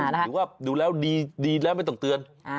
หรือว่าดูแล้วดีแล้วไม่ต้องเตือน